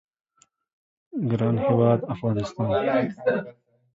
ګران هیواد افغانستان